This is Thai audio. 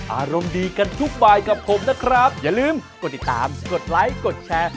อารมณ์ดีกันทุกบายกับผมนะครับอย่าลืมกดติดตามกดไลค์กดแชร์